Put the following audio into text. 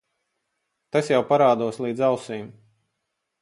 Tas jau parādos līdz ausīm.